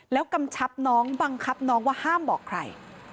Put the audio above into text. แล้วกำชับน้องบังคับน้องว่าห้ามบอกใคร